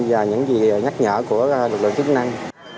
và những gì nhắc nhở của lực lượng chức năng